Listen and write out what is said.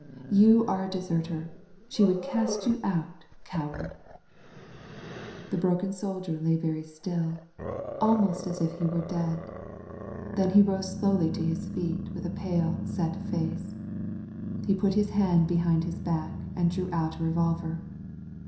You are a deserter. She would cast you out, coward!" The broken soldier lay very still, almost as, if he 114 0tmmm^ttM THE BROKEN SOLDIER were dead. Then he rose slowly to his feet, with a pale, set face. He put his hand behind his back and drew out a revolver.